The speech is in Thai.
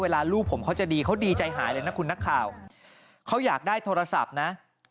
ลูกผมเขาจะดีเขาดีใจหายเลยนะคุณนักข่าวเขาอยากได้โทรศัพท์นะ